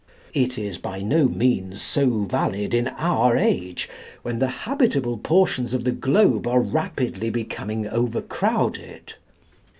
It is by no means so valid in our age, when the habitable portions of the globe are rapidly becoming overcrowded.